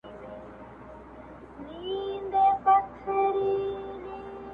اوس تماشه کوئ چې څنګ نۀ رڼېدل وختونه